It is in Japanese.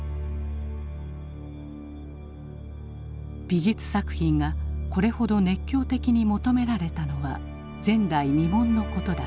美術作品がこれほど熱狂的に求められたのは前代未聞のことだった。